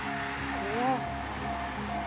怖っ！